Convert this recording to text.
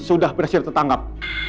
sudah berhasil tertangkap